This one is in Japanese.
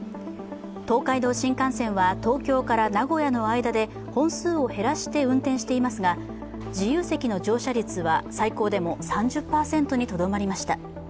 東海道新幹線は東京から名古屋の間で本数を減らして運転していますが、自由席の乗車率は最高でも３０％にとどまりました。